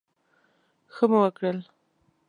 ښه مو وکړل.